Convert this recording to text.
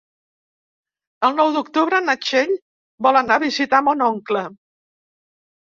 El nou d'octubre na Txell vol anar a visitar mon oncle.